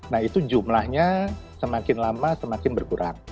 nah itu jumlahnya semakin lama semakin berkurang